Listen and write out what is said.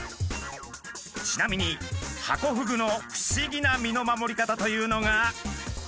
ちなみにハコフグの不思議な身の守り方というのが。